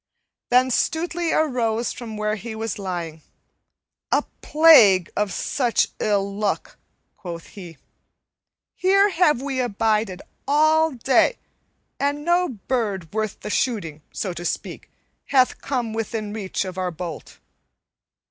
Then Stutely arose from where he was lying. "A plague of such ill luck!" quoth he. "Here have we abided all day, and no bird worth the shooting, so to speak, hath come within reach of our bolt.